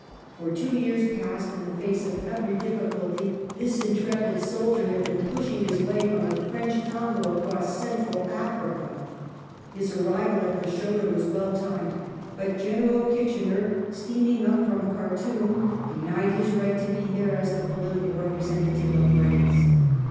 For two years past, in the face of every difficulty, this intrepid soldier had been pushing his way from the French Congo across Central Africa. His arrival at Fashoda was well timed, but General Kitchener, steaming up from Khartoum, denied his right to be there as the political representative of France.